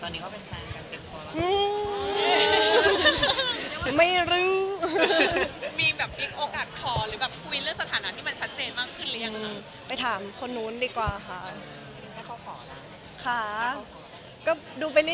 ตอนนี้ก็เป็นแฟนกันเต็มพอแล้ว